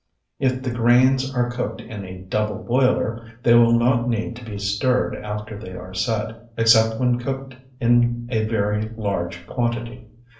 If the grains are cooked in a double boiler, they will not need to be stirred after they are set, except when cooked in a very large quantity.